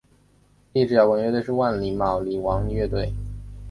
第一支摇滚乐队是万李马王乐队。